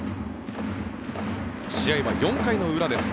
試合は４回の裏です。